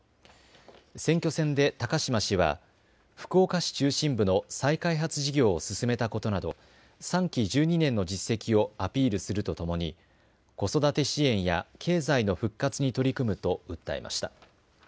選挙戦で高島氏は福岡市中心部の再開発事業を進めたことなど３期１２年の実績をアピールするとともに子育て支援や経済の復活に取り組むと訴えました。